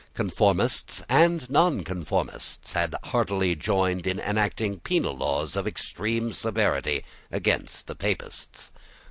Conformists and Nonconformists had heartily joined in enacting penal laws of extreme severity against the Papists.